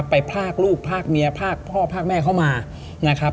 ไปพากลูกพากเมียพากพ่อพากแม่เข้ามา